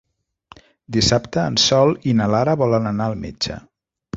Dissabte en Sol i na Lara volen anar al metge.